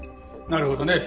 なるほどね。